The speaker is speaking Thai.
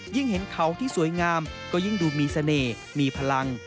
เห็นเขาที่สวยงามก็ยิ่งดูมีเสน่ห์มีพลัง